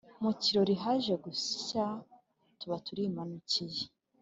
Mu kirori haje gushya tuba turi manukiye